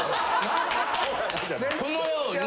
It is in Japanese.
「このように」